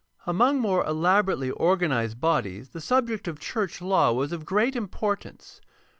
Among more elaborately organized bodies the subject of church law was of great importance.